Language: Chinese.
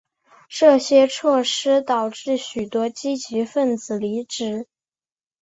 这些措施导致许多积极份子离职。